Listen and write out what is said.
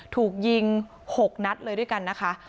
ถูกยิง๖นัดเลยด้วยกันนะคะ